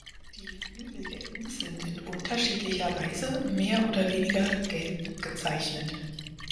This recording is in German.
Die Flügeldecken sind in unterschiedlicher Weise mehr oder weniger gelb gezeichnet.